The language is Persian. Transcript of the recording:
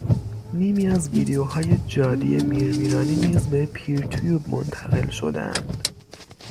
نیمی از ویدئوهای جادی میرمیرانی نیز به پیرتیوب منتقل شدهاند